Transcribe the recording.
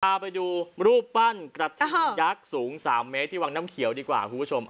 เอาไปดูรูปปั้นกระทงยักษ์สูง๓เมตรที่วังน้ำเขียวดีกว่าคุณผู้ชม